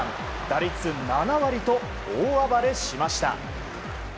打率７割と大暴れしました。